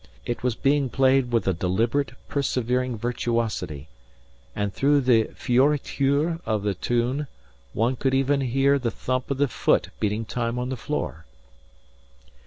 It was being played with a deliberate, persevering virtuosity, and through the fioritures of the tune one could even hear the thump of the foot beating time on the floor.